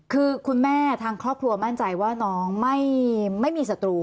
คือคุณแม่ทางครอบครัวมั่นใจว่าน้องไม่มีศัตรู